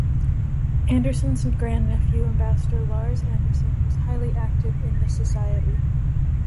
Anderson's grandnephew, Ambassador Larz Anderson, was highly active in the Society.